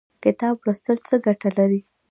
کتاب لوستل څه ګټه لري؟